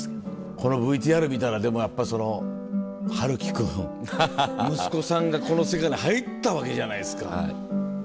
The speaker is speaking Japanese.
このＶＴＲ見たらやっぱその陽喜君息子さんがこの世界に入ったわけじゃないですか。